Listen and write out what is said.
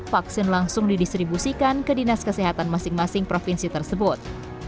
vaksin langsung didistribusikan ke dinas kesehatan masing masing provinsi tersebut